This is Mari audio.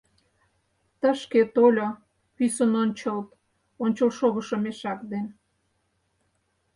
Тышке тольо, пӱсын ончылт, Ончылшогышо мешак ден.